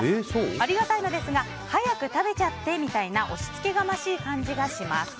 ありがたいのですが早く食べちゃってみたいな押しつけがましい感じがします。